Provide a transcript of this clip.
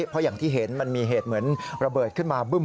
เพราะอย่างที่เห็นมันมีเหตุเหมือนระเบิดขึ้นมาบึ้ม